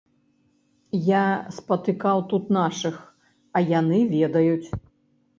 Я спатыкаў тут нашых, а яны ведаюць.